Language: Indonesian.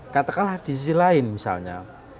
katakanlah di sisi lain misalnya